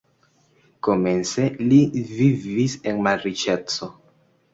Komence li vivis en malriĉeco.